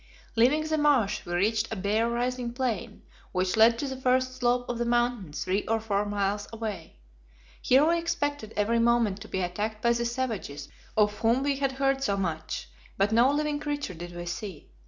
Leaving the marsh, we reached a bare, rising plain, which led to the first slope of the Mountain three or four miles away. Here we expected every moment to be attacked by the savages of whom we had heard so much, but no living creature did we see.